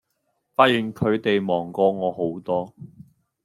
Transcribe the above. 發現佢地忙過我好多